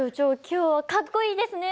今日はかっこいいですね！